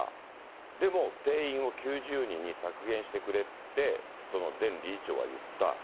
でも、定員を９０人に削減してくれって、その前理事長は言った。